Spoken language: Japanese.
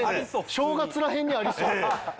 正月ら辺にありそう。